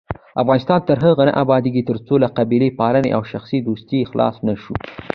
افغانستان تر هغو نه ابادیږي، ترڅو له قبیلې پالنې او شخصي دوستۍ خلاص نشو.